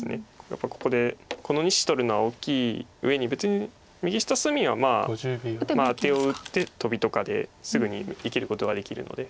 やっぱりここでこの２子取るのは大きいうえに別に右下隅はアテを打ってトビとかですぐに生きることができるので。